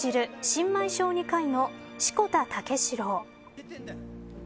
新米小児科医の志子田武四郎。